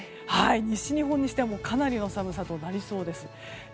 西日本にしてはかなりの寒さとなりそうです。